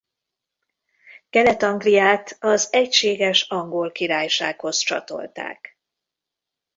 Kelet-Angliát az egységes Angol Királysághoz csatolták.